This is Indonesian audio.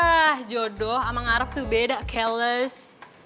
ah jodoh sama ngarep tuh beda keles